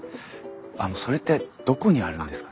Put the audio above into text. あのそれってどこにあるんですか？